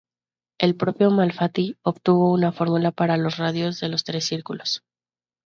El propio Malfatti obtuvo una fórmula para los radios de los tres círculos.